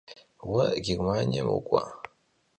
Vue Gêrmaniêm vuk'ua?